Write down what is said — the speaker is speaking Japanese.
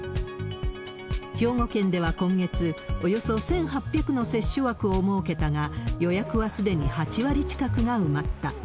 兵庫県では今月、およそ１８００の接種枠を設けたが、予約はすでに８割近くが埋まった。